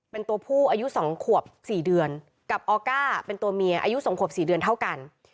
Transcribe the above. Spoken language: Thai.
เป็นตัวผู้อายุ๒ขวบ๔เดือนกับออก้าเป็นตัวเมียอายุ๒ขวบ๔เดือนเท่ากัน